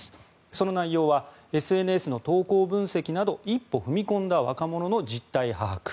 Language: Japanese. その内容はＳＮＳの投稿分析など一歩踏み込んだ若者の実態把握。